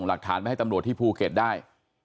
หลักฐานไปให้ตำรวจที่ภูเก็ตได้